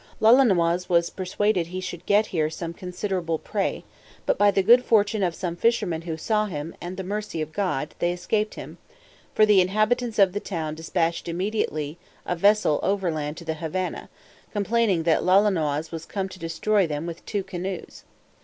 Lolonois was persuaded he should get here some considerable prey; but by the good fortune of some fishermen who saw him, and the mercy of God, they escaped him: for the inhabitants of the town dispatched immediately a vessel overland to the Havannah, complaining that Lolonois was come to destroy them with two canoes.